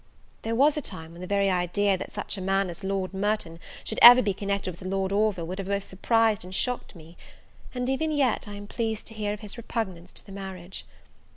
There was a time when the very idea that such a man as Lord Merton should ever be connected with Lord Orville would have both surprised and shocked me; and even yet I am pleased to hear of his repugnance to the marriage.